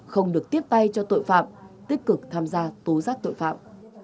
không được tiếp tay cho tội phạm tích cực tham gia tố giác tội phạm